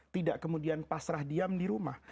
tidak kemudian pasrah diam di rumah